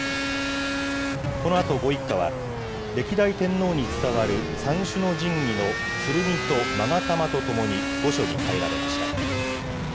このあと、ご一家は、歴代天皇に伝わる三種の神器の剣とまが玉とともに御所に入られました。